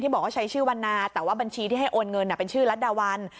บอกว่าใช้ชื่อวันนาแต่ว่าบัญชีที่ให้โอนเงินเป็นชื่อรัฐดาวัน